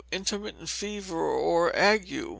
Intermittent Fever, or Ague.